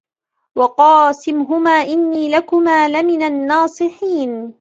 وقاسمهما إني لكما لمن الناصحين